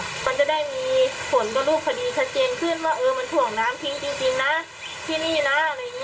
มันจะได้มีผลต่อรูปคดีชัดเจนขึ้นว่าเออมันถ่วงน้ำทิ้งจริงนะที่นี่นะอะไรอย่างนี้